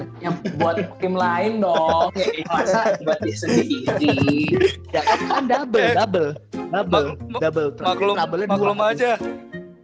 yang buat tim lain dong